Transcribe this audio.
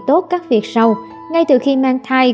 tốt các việc sau ngay từ khi mang thai